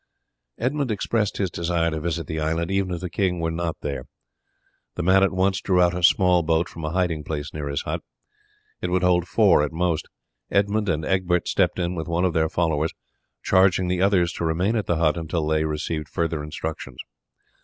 Edmund expressed his desire to visit the island even if the king were not there. The man at once drew out a small boat from a hiding place near his hut. It would hold four at most. Edmund and Egbert stepped in with one of their followers, charging the others to remain at the hut until they received further instructions.